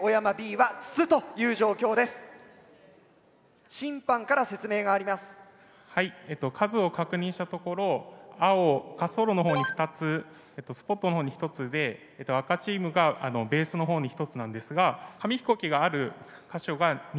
はい数を確認したところ青滑走路の方に２つスポットの方に１つで赤チームがベースの方に１つなんですが紙飛行機がある箇所が２か所あります